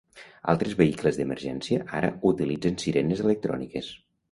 Altres vehicles d'emergència ara utilitzen sirenes electròniques.